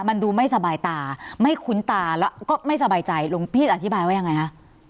มันดูไม่สบายตาไม่คุ้นตาแล้วก็ไม่สบายใจหลวงพี่อธิบายว่ายังไงคะ